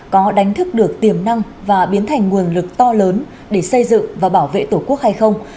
có đánh thức được tiềm năng và biến thành nguồn lực to lớn để xây dựng và bảo vệ tổ quốc hay không